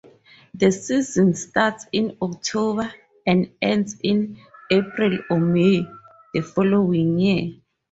The season starts in October and ends in April or May the following year.